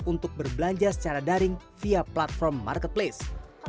untuk berbelanja secara daring via platform marketplace